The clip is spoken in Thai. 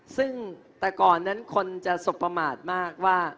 ซึ่งแต่ก่อนนั้นคนจะสบประมาทมากว่า